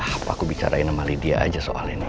apa aku bicarain sama lydia saja soal ini